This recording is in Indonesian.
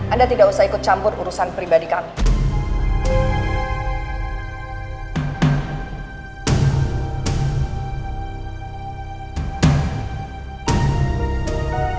anda tidak usah ikut campur urusan pribadi kami